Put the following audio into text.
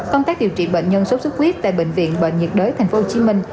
các điều trị bệnh nhân sốt sốt huyết tại bệnh viện bệnh nhiệt đới tp hcm